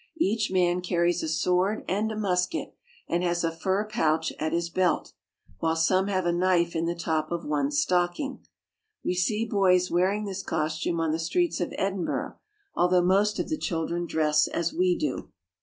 Each man carries a sword and a musket, and has a fur pouch at his belt, while some have a knife in the top of one stocking. We see boys wearing this costume on the streets of Edin burgh, although most of the children dress as we do.